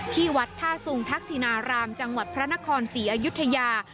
ที่วัดท่าสุงทักษินารามจังหวัดพระนครศรีอยุธยา